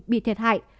bị thiệt hại